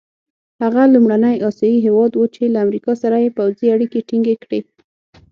هغه لومړنی اسیایي هېواد وو چې له امریکا سره یې پوځي اړیکي ټینګې کړې.